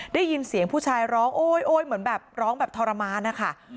ได้ยินเสียงผู้ชายร้องโอ๊ยเหมือนแบบร้องแบบทรมานนะคะ